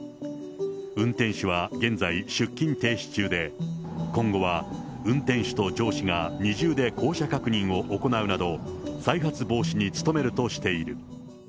運転手は現在、出勤停止中で、今後は運転手と上司が二重で降車確認を行うなど、再発防止に努めるとしている。